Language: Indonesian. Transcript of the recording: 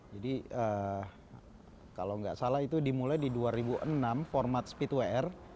jadi kalau nggak salah itu dimulai di dua ribu enam format speed to air